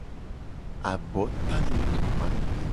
Abota le du mable.